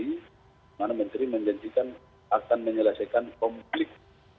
dimana menteri menjanjikan akan menyelesaikan konflik